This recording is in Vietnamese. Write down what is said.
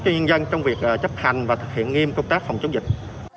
các dân trong việc chấp hành và thực hiện nghiêm công tác phòng chống dịch